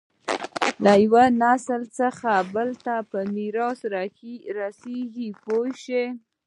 له یوه نسل څخه بل ته په میراث رسېږي پوه شوې!.